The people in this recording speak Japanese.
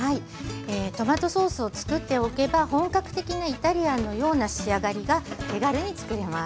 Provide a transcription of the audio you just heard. トマトソースをつくっておけば本格的なイタリアンのような仕上がりが手軽につくれます。